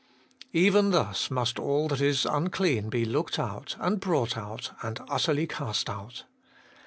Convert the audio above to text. Even thus must all that is unclean be looked out, and brought out, and utterly cast out.